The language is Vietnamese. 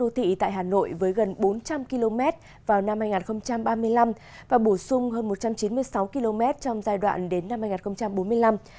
đô thị tại hà nội với gần bốn trăm linh km vào năm hai nghìn ba mươi năm và bổ sung hơn một trăm chín mươi sáu km trong giai đoạn đến năm hai nghìn bốn mươi năm